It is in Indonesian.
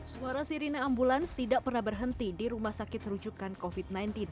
suara sirine ambulans tidak pernah berhenti di rumah sakit rujukan covid sembilan belas